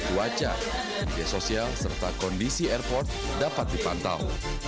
wajah ide sosial serta kondisi airport dapat dipantau